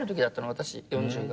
私４０が。